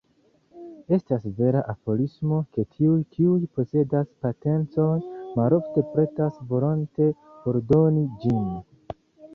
Estas vera aforismo, ke “tiuj, kiuj posedas potencon, malofte pretas volonte fordoni ĝin.